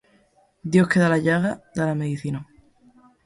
Dios que da la llaga, da la medicina.